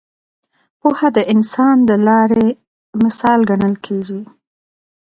پوهه د انسان د لارې مشال ګڼل کېږي.